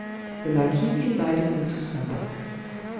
The marquis invited me to supper.